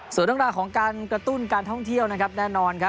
ส่วนต้องราของการกระตุ้นการท่องเที่ยวแน่นอน